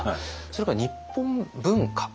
それから日本文化